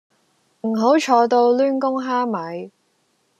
唔好坐到攣弓蝦米